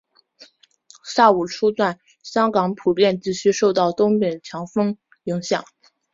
下午初段香港普遍地区受到东北强风影响。